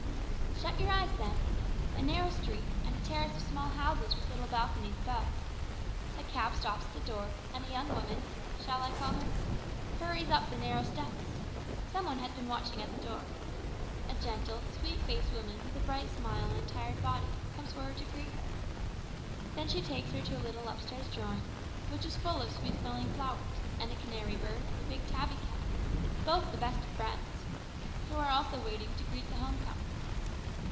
"Shut your eyes then. A narrow street, and a terrace of small houses with little balconies above. A cab stops at the door, and a young woman shall I call her? hurries up the narrow steps. Some one has been watching at the door. A gentle, sweet faced woman with a bright smile and tired body, comes forward to greet her. Then she takes her to a little upstairs drawing room, which is full of sweet smelling flowers, and a canary bird and a big tabby cat both the best of friends are also waiting to greet the home comer.